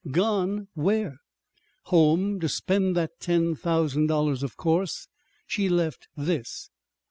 "Gone! Where?" "Home to spend that ten thousand dollars, of course. She left this."